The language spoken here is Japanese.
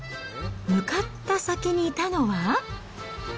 向かった先にいたのは？